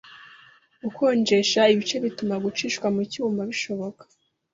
ukonjesha ibice bituma gucishwa mu cyuma bishoboka.